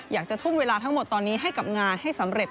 อยากจะทุ่มเวลาทั้งหมดตอนนี้ให้กับงานให้สำเร็จ